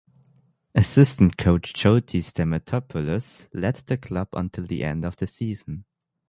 Assistant coach Joti Stamatopoulos lead the club until the end of the season.